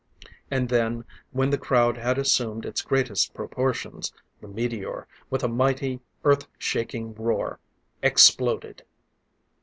And then, when the crowd had assumed its greatest proportions, the meteor, with a mighty, Earth shaking roar, exploded.